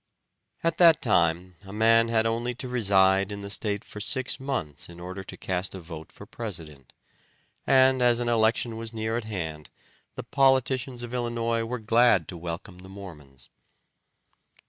At that time a man had only to reside in the state for six months in order to cast a vote for president, and as an election was near at hand the politicians of Illinois were glad to welcome the Mormons.